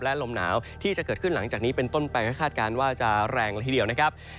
และลมหนาวที่จะเกิดขึ้นหลังจากนี้เป็นต้นไปก็คาดการณ์ว่าจะแรงละทีเดียวนะครับ